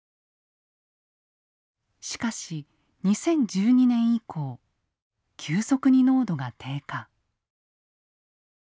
しかし２０１２年以降急速に濃度が低下。